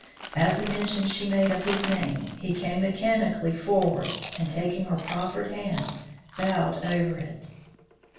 At the mention she made of his name, he came mechanically forward, and, taking her proffered hand, bowed over it.